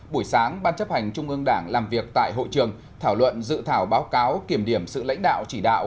buổi sáng ban chấp hành trung ương đảng làm việc tại hội trường thảo luận dự thảo báo cáo kiểm điểm sự lãnh đạo chỉ đạo